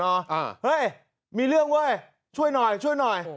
เฮ้ยมีเรื่องเว้ยช่วยหน่อยช่วยหน่อย